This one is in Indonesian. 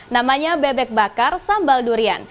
namanya bebek bakar sambal durian